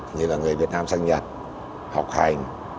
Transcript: như là người việt nam sang nhật học hành